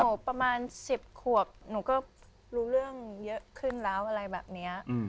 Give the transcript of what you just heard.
ประมาณ๑๐ขวบหนูก็รู้เรื่องเยอะขึ้นแล้วอะไรแบบนี้